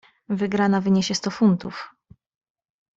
"Wygrana wyniesie sto funtów."